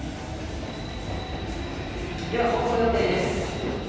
では放送予定です。